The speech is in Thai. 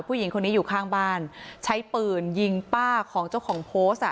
ผู้หญิงคนนี้อยู่ข้างบ้านใช้ปืนยิงป้าของเจ้าของโพสต์อ่ะ